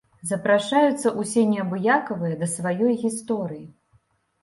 Запрашаюцца ўсе неабыякавыя да сваёй гісторыі!